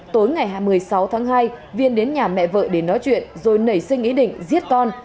tối ngày hai mươi sáu tháng hai viên đến nhà mẹ vợ để nói chuyện rồi nảy sinh ý định giết con